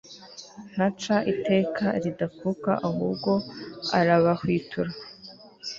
ntaca iteka ridakuka ahubwo arabahwitura